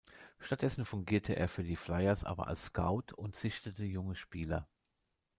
Stattdessen fungierte er für die Flyers aber als Scout und sichtete junge Spieler.